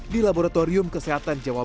di laboratorium kesehatan jawa barat